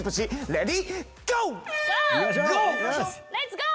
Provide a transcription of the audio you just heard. レッツゴー！